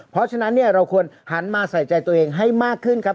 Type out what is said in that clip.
เพราะฉะนั้นเนี่ยเราควรหันมาใส่ใจตัวเองให้มากขึ้นครับ